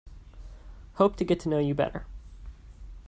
Hope to get to know you better.